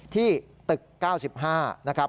ที่ตึก๙๕นะครับ